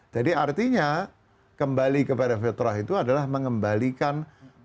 jadi artinya kembali kepada fitrah itu adalah mengembalikan potensi